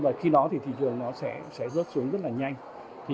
và khi đó thì thị trường sẽ rớt xuống rất nhanh